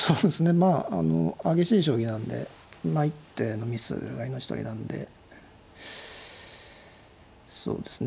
まああの激しい将棋なんでまあ一手のミスが命取りなんでそうですね